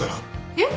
えっ？